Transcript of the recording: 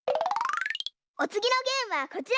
おつぎのゲームはこちら！